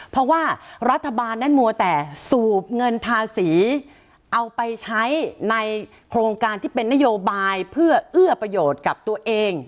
เพราะว่ารัฐบาลนั้นมัวแต่สูบเงินภาษีเอาไปใช้ในโครงการที่เป็นนโยบายเพื่อเอื้อประโยชน์กับตัวเอง